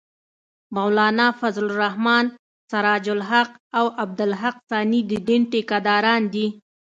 مولانا فضل الرحمن ، سراج الحق او عبدالحق ثاني د دین ټېکه داران دي